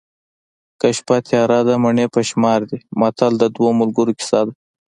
که شپه تیاره ده مڼې په شمار دي متل د دوو ملګرو کیسه ده